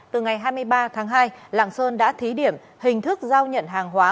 từ ngày hai mươi ba tháng hai lạng sơn đã thí điểm hình thức giao nhận hàng hóa